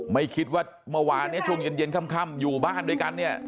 ไม่คิดว่าเมื่อวานเนี่ยช่วงเย็นค่ำอยู่บ้านด้วยกันเนี่ย